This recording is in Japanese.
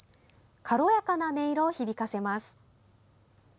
軽やかな音色を響かせます。